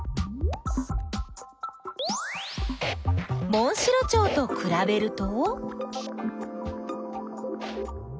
モンシロチョウとくらべると？